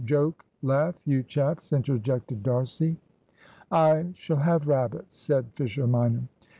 Joke! laugh, you chaps," interjected D'Arcy. "I shall have rabbits," said Fisher minor.